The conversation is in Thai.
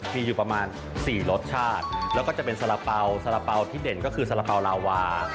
มีอยู่ประมาณ๔รสชาติแล้วก็จะเป็นสาระเป๋าสาระเป๋าที่เด่นก็คือสาระเป๋าลาวา